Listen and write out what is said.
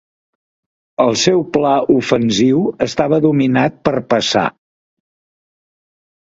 El seu pla ofensiu estava dominat per passar.